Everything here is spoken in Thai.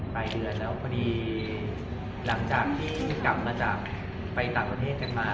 ปลายเดือนแล้วพอดีหลังจากที่กลับมาจากไปต่างประเทศกันมา